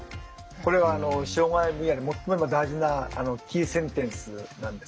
これは障害分野で最も今大事なキーセンテンスなんですね。